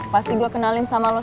pasti gue kenalin sama lo